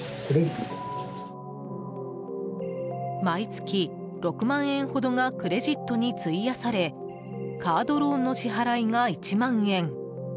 毎月６万円ほどがクレジットに費やされカードローンの支払いが１万円。